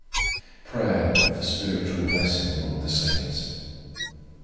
PRAYER FOR SPIRITUAL BLESSING AMONG THE SAINTS.